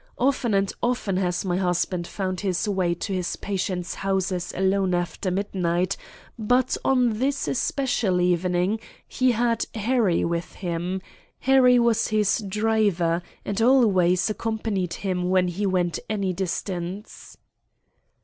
Often and often has my husband found his way to his patients' houses alone after midnight; but on this especial evening he had Harry with him. Harry was his driver, and always accompanied him when he went any distance."